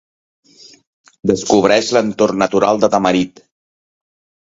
Descobreix l'entorn natural de Tamarit.